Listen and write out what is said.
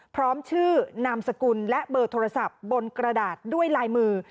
พร้อมชื่อนามสกุลและเบอร์โทรศัพท์บนกระดาษด้วยลายมือ